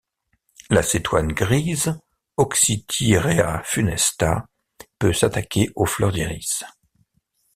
La cétoine grise, Oxythyrea funesta peut s'attaquer aux fleurs d'iris.